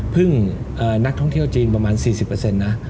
พึ่งนักท่องเที่ยวจีนพอมา๔๐เปอร์เซ็นต์นะ